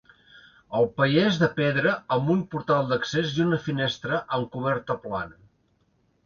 El paller és de pedra amb un portal d'accés i una finestra, amb coberta plana.